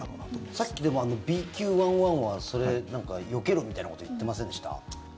さっき、でもあのＢＱ．１．１はそれ、よけるみたいなこと言ってませんでした？